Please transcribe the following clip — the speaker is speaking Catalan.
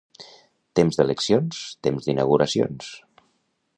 Temps d'eleccions, temps d'inauguracions.